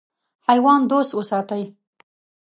حیوان دوست وساتئ.